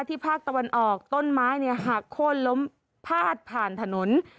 ที่ภาคตะวันออกต้นไม้เนี่ยค่ะโค้นล้มพาดผ่านถนน